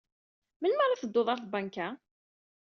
Melmi ara teddud ɣer tbanka?